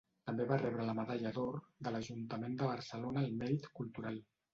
També va rebre la medalla d'or de l'Ajuntament de Barcelona al mèrit cultural.